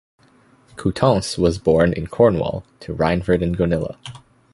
Coutances was born in Cornwall, to Reinfrid and Gonilla.